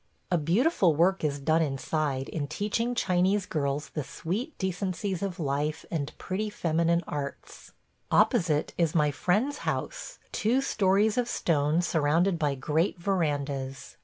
... A beautiful work is done inside in teaching Chinese girls the sweet decencies of life and pretty feminine arts. Opposite is my friend's house – two stories of stone surrounded by great verandas.